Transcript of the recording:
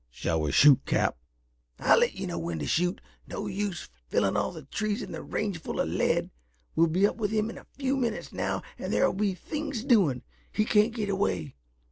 "Shall we shoot, Cap!" "I'll let you know when to shoot. No use filling all the trees in the range full of lead. We'll be up with him in a few minutes now and there'll be things doing. He can't get away.